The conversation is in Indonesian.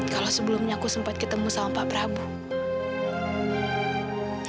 kalau sebelumnya aku sempat ketemu sama pak prabowo